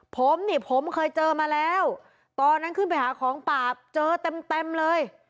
ผมนี่ผมเคยเจอมาแล้วตอนนั้นขึ้นไปหาของป่าเจอเต็มเต็มเลย